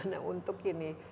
bagaimana untuk ini